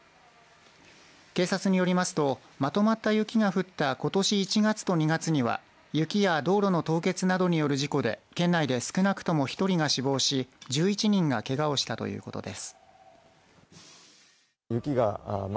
警察によりますとまとまった雪が降ったことし１月と２月には雪や道路の凍結などによる事故で県内で少なくとも１人が死亡し１１人がけがをしたということです。